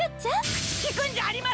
口利くんじゃありません！